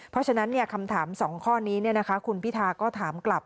เพราะฉะนั้นคำถาม๒ข้อนี้คุณพิธาก็ถามกลับ